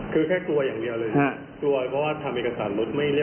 คือแค่กลัวอย่างเดียวเลย